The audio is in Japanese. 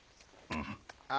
あ。